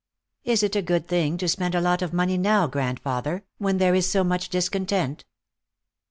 "Is it a good thing to spend a lot of money now, grandfather, when there is so much discontent?"